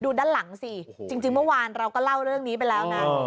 ด้านหลังสิจริงเมื่อวานเราก็เล่าเรื่องนี้ไปแล้วนะ